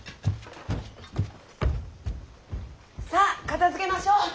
さあ片づけましょう。